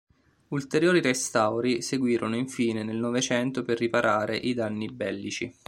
Ulteriori restauri seguirono infine nel novecento per riparare i danni bellici.